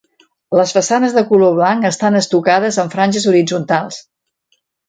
Les façanes de color blanc estan estucades amb franges horitzontals.